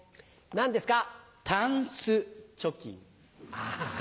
何ですか？